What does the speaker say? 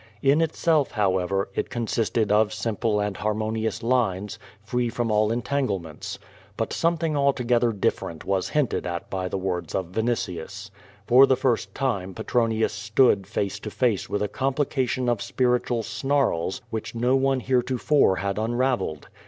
In itself, however, it consisted of simple and harmonious lines, free from all entanglements. But something altogether dif ferent was hinted at by the words of Vinitius. For the first time Petronius stood face to face with a complication of spir itual snarls which no one heretofore had unravelled.